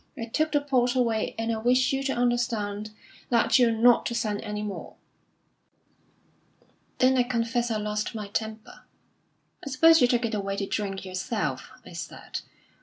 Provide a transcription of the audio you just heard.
I took the port away, and I wish you to understand that you're not to send any more.' "Then I confess I lost my temper. 'I suppose you took it away to drink yourself?' I said.